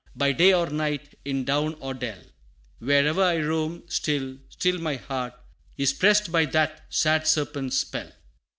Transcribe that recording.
By day or night, in down or dell, Where'er I roam, still, still my heart Is pressed by that sad serpent spell.